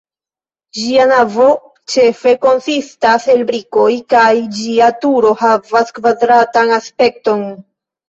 Ĝia navo ĉefe konsistas el brikoj, kaj ĝia turo havas kvadratan aspekton.